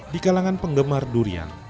di kalangan penggemar durian